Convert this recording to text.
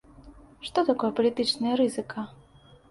Што такое палітычная рызыка?